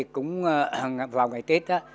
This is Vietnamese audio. cũng vào ngày tết